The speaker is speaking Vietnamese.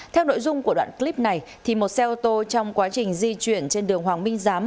theo nội dung của đoạn clip này một xe ô tô trong quá trình di chuyển trên đường hoàng minh giám